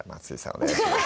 お願いします